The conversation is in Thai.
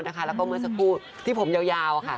แล้วก็เมื่อสักครู่ที่ผมยาวค่ะ